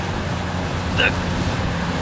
— Дык...